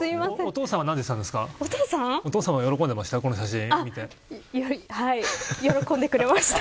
お父さんは喜んでましたか。